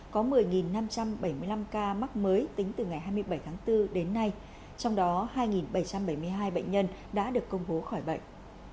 có một mươi năm trăm bảy mươi năm ca mắc mới tính từ ngày hai mươi bảy tháng bốn đến nay trong đó hai bảy trăm bảy mươi hai bệnh nhân đã được công bố khỏi bệnh